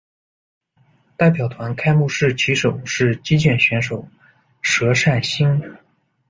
代表团开幕式旗手是击剑选手佘缮妡。